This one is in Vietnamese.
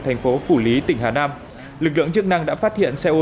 thành phố phủ lý tỉnh hà nam